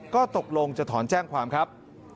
ก็ตกลงจะถอนแจ้งความครับ